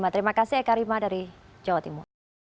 terima kasih eka rima dari jawa timur